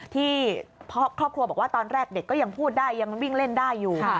ที่ครอบครัวบอกว่าตอนแรกเด็กก็ยังพูดได้ยังวิ่งเล่นได้อยู่